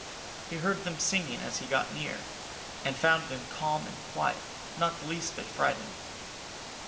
He heard them singing as he got near, and found them calm and quiet, not the least bit frightened.